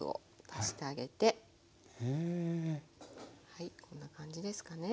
はいこんな感じですかね。